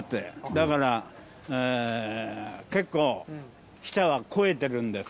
だから結構、舌が肥えてるんです。